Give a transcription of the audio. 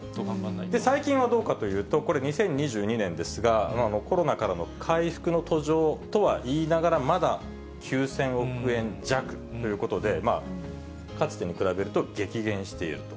最近はどうかというと、これ、２０２２年ですが、コロナからの回復の途上とはいいながら、まだ９０００億円弱ということで、かつてに比べると激減していると。